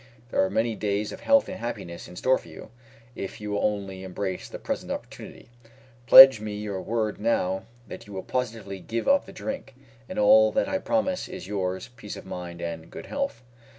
There are many days of health and happiness in store for you, if you will only embrace the present opportunity. Pledge me your word now that you will positively give up the drink, and all that I promise is yours peace of mind and good health."